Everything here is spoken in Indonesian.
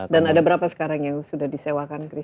dan ada berapa sekarang yang sudah disewakan kris